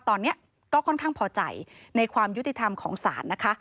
ตอนนี้ก็ค่อนข้างพอใจในความยุติธรรมของศาลนะคะ